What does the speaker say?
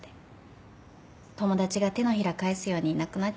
友達が手のひら返すようにいなくなっちゃった。